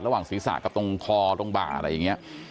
ระหว่างศีรษะกับตรงคอตรงบ่าอะไรอย่างนี้